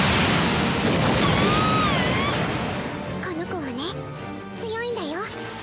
この子はね強いんだよ。